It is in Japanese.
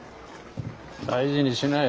大事にしなよ。